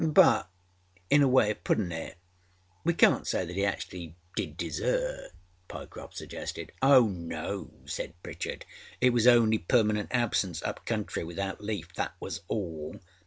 â âBut, in a way oâ puttinâ it, we canât say that he actually did desert,â Pyecroft suggested. âOh, no,â said Pritchard. âIt was only permanent absence up country without leaf. That was all.